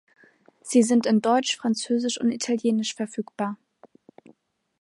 Sie sind in Deutsch, Französisch und Italienisch verfügbar.